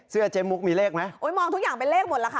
เจ๊มุกมีเลขไหมโอ้ยมองทุกอย่างเป็นเลขหมดแล้วค่ะ